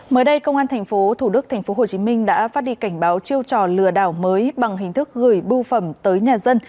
mới đây công an tp thủ đức tp hcm đã phát đi cảnh báo chiêu trò lừa đảo mới bằng hình thức gửi bưu phẩm tới nhà dân